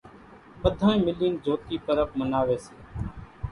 ٻڌانئين ملين جھوتي پرٻ مناوي سي۔